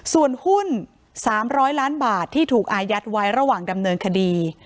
ส่วนหุ้น๓๐๐ล้านบาทที่ถูกอายัดไว้ระหว่างดำเนินคดี